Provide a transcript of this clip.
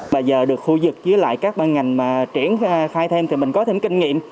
bây giờ được khu dựng dưới các ngành triển khai thêm thì mình có thêm kinh nghiệm